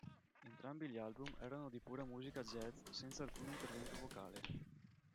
Entrambi gli album erano di pura musica jazz senza alcun intervento vocale.